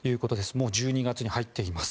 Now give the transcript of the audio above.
もう１２月に入っています。